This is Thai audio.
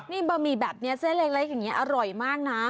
นี่บะหมี่แบบนี้เส้นเล็กอย่างนี้อร่อยมากนะ